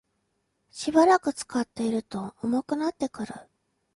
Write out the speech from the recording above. しばらく使っていると重くなってくる